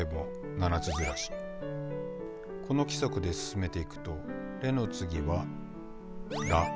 この規則で進めていくと「レ」の次は「ラ」。